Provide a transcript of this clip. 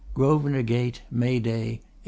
GROSVENOR GATE: May Day 1844.